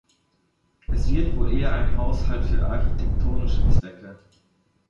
Es wird wohl eher ein Haushalt für architektonische Zwecke.